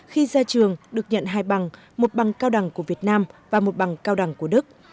khi ra trường được nhận hai bằng một bằng cao đẳng của việt nam và một bằng cao đẳng của đức